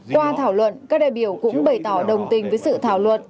qua thảo luận các đại biểu cũng bày tỏ đồng tình với sự thảo luật